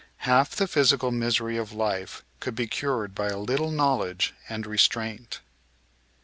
Half the physical misery of life could be cured by a little know ledge and restraint.